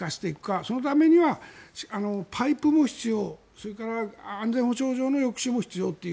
そのためにはパイプも必要それから安全保障上の抑止も必要という。